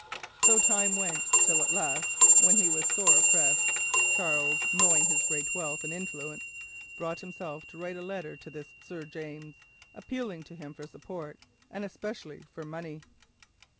So time went, till at last, when he was sore pressed, Charles, knowing his great wealth and influence, brought himself to write a letter to this Sir James, appealing to him for support, and especially for money.